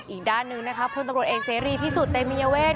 อีกด้านหนึ่งนะครับคุณตรวจเอกเสรีพิสูจน์เตมิเยาเวท